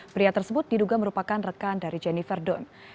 pria tersebut diduga merupakan rekan dari jennifer don